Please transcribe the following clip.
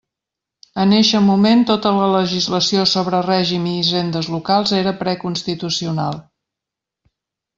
En eixe moment tota la legislació sobre règim i hisendes locals era preconstitucional.